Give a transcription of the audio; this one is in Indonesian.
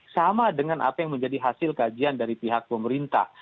sama dengan apa yang menjadi hasil kajian dari pihak pemerintah